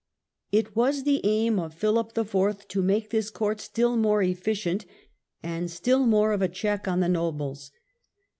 It was the aim of Philip IV. to make this court still more efficient and still more of a check on the nobles.